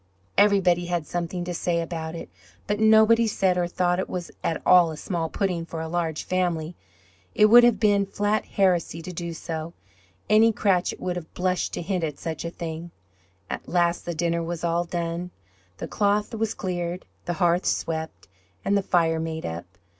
Everybody had something to say about it, but nobody thought or said it was at all a small pudding for a large family. It would have been flat heresy to do so. Any Cratchit would have blushed to hint at such a thing. At last the dinner was all done, the cloth was cleared, the hearth swept, and the fire made up.